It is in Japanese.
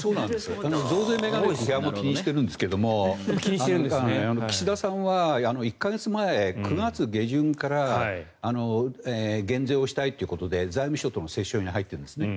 増税メガネという批判も気にしてるんですが岸田さんは１か月前９月下旬から減税をしたいということで財務省との折衝に入っているんですね。